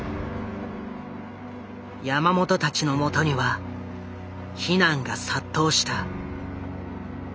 山本たちのもとには非難が殺到した。